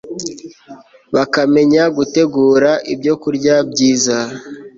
bakamenya gutegura ibyokurya byiza